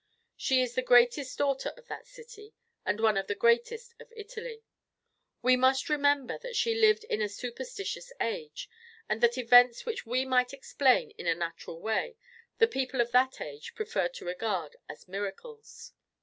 She is the greatest daughter of that city, and one of the greatest of Italy. We must remember that she lived in a superstitious age, and that events which we might explain in a natural way the people of that age preferred to regard as miracles.